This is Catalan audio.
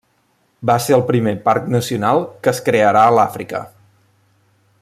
Va ser el primer parc nacional que es crearà a l'Àfrica.